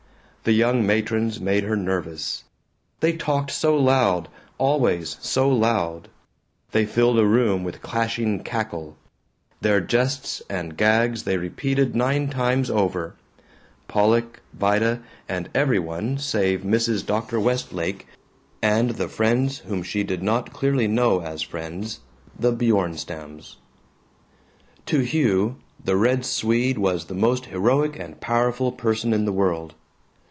The young matrons made her nervous. They talked so loud, always so loud. They filled a room with clashing cackle; their jests and gags they repeated nine times over. Unconsciously, she had discarded the Jolly Seventeen, Guy Pollock, Vida, and every one save Mrs. Dr. Westlake and the friends whom she did not clearly know as friends the Bjornstams. To Hugh, the Red Swede was the most heroic and powerful person in the world.